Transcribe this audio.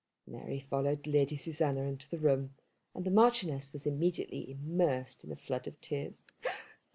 Mary followed Lady Susanna into the room, and the Marchioness was immediately immersed in a flood of tears.